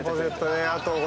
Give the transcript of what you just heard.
あと。